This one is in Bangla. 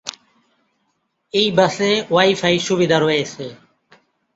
এই বাসে ওয়াইফাই সুবিধা রয়েছে।